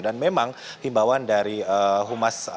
dan memang himbawan dari humas